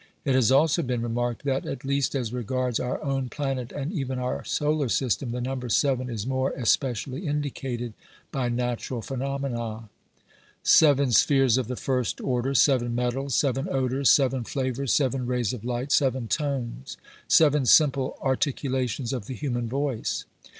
It has also been remarked that, at least as regards our own planet and even our solar system, the number seven is more especially indicated by natural phenomena. Seven 202 OBERMANN spheres of the first order, seven metals, seven odours, seven flavours, seven rays of light, seven tones, seven simple arti culations of the human voice.